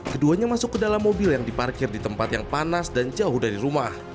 keduanya masuk ke dalam mobil yang diparkir di tempat yang panas dan jauh dari rumah